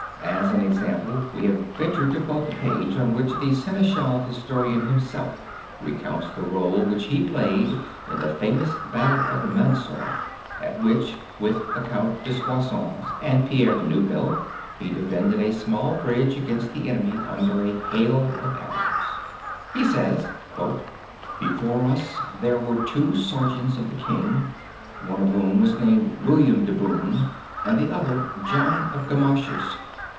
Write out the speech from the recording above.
As an example we have ventured to quote the page on which the seneschal historian himself recounts the role which he played in the famous battle of Mansourah, at which, with the Count de Soissons and Pierre de Neuville, he defended a small bridge against the enemy under a hail of arrows. He says: "Before us there were two sergeants of the king, one of whom was named William de Boon and the other John of Gamaches.